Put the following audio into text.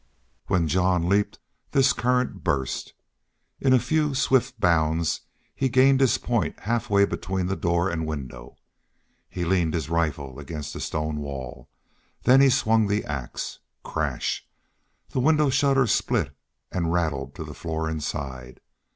When Jean leaped this current burst. In a few swift bounds he gained his point halfway between door and window. He leaned his rifle against the stone wall. Then he swung the ax. Crash! The window shutter split and rattled to the floor inside.